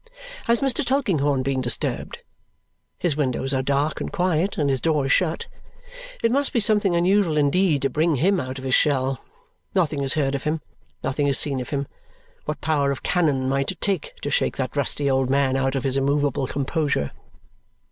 Has Mr. Tulkinghorn been disturbed? His windows are dark and quiet, and his door is shut. It must be something unusual indeed to bring him out of his shell. Nothing is heard of him, nothing is seen of him. What power of cannon might it take to shake that rusty old man out of his immovable composure?